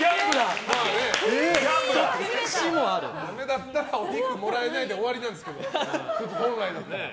ダメだったらお肉もらえないで終わりなんですけど本来なら。